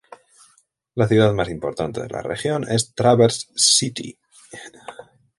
La ciudad más importante de la región es Traverse City.